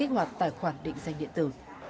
hoặc tài khoản định danh điện tử